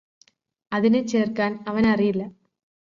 അതിനെ ചേര്ക്കാന് അവനറിയില്ല